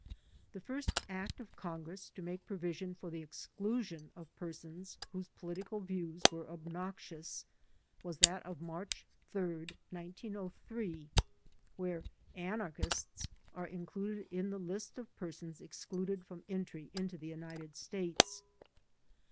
The first Act of Congress to make provision for the exclusion of persons whose political views were ob noxious was that of March 3, 1903, where "anarchists" are included in the list of persons excluded from entry into the United States.